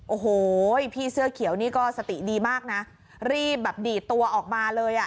โอ้โหพี่เสื้อเขียวนี่ก็สติดีมากนะรีบแบบดีดตัวออกมาเลยอ่ะ